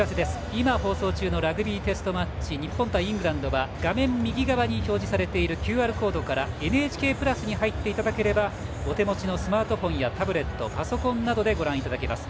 今放送中のラグビーテストマッチ日本対イングランドは画面右側に表示されているＱＲコードから「ＮＨＫプラス」に入っていただければお手持ちのスマートフォンやタブレットパソコンなどでご覧いただけます。